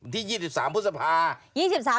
ที่๒๓พฤษภา